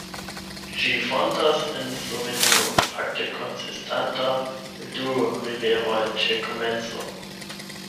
Ĝi fontas en Slovenio, fakte konsistanta el du riveroj ĉe komenco.